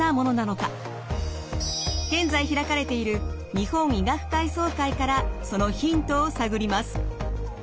現在開かれている日本医学会総会からそのヒントを探ります。